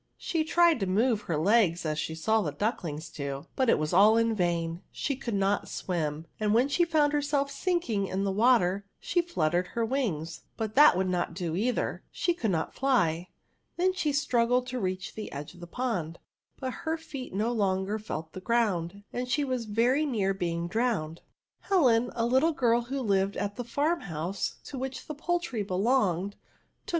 She tried to move her legs as she saw the ducklings do, but it was all in vain: she coidd not swim; and when she found herself sinking in the water, she fluttered her wings, but that would not do either — she could not fly ; she then strug gled to reach the edge of Hie pond, but her feet no longer felt the ground, and she was very near being drowned. Helen, a little girl who lived at the farm bouse to which the poultry belong^dj took ARTICLES.